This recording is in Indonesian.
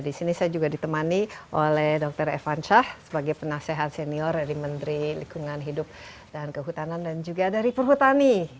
di sini saya juga ditemani oleh dr evan syah sebagai penasehat senior dari menteri lingkungan hidup dan kehutanan dan juga dari perhutani